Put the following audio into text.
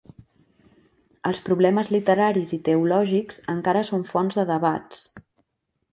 Els problemes literaris i teològics encara són fonts de debats.